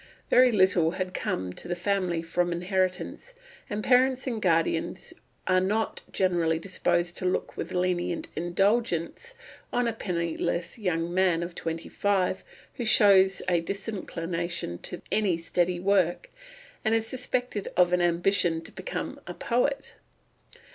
Very little had come to the family from inheritance, and parents and guardians are not generally disposed to look with lenient indulgence on a penniless young man of twenty five who shows a disinclination to any steady work, and is suspected of an ambition to become a poet.